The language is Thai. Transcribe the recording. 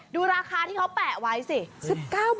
ดูราคาที่เขาแปะไว้สิ๑๙บาท